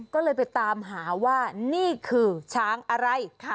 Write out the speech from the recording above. ก็เลยไปตามหาว่านี่คือช้างอะไร